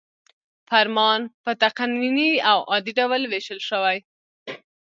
فرمان په تقنیني او عادي ډول ویشل شوی.